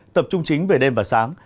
tập trung chính về đêm và sáng